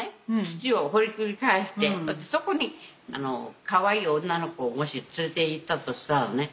土を掘りくり返してそこにかわいい女の子をもし連れていったとしたらね